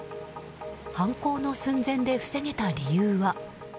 犯行の寸前で防げた理由は。